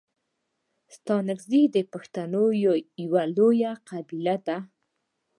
ستانگزي د پښتنو یو لويه قبیله ده.